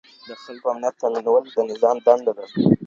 د خلګو امنيت تامينول د نظام دنده ده.